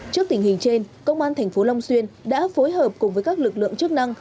trước tình hình trên công an tp long xuyên đã phối hợp cùng với các lực lượng chức năng